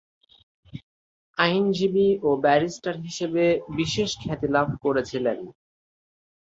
আইনজীবী ও ব্যারিস্টার হিসেবে বিশেষ খ্যাতি লাভ করেছিলেন।